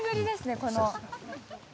この。